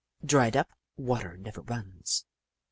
" Dried up water never runs.